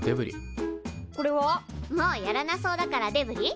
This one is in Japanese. もうやらなそうだからデブリ？